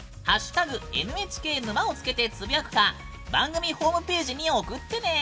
「＃ＮＨＫ沼」をつけてつぶやくか番組ホームページに送ってね！